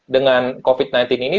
dengan covid sembilan belas ini